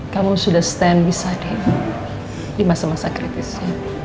kamu sudah stand beside him di masa masa kritisnya